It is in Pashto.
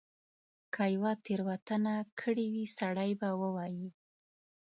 که یوه تیره وتنه کړې وي سړی به ووایي.